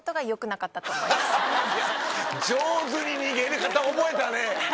上手に逃げ方覚えたね。